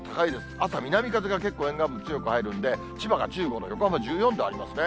朝、南風が結構、沿岸部強く入るんで、千葉が１５度、横浜１４度ありますね。